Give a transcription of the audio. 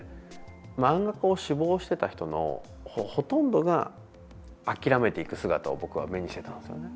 漫画家を志望してた人のほとんどが諦めていく姿を僕は目にしてたんですよね。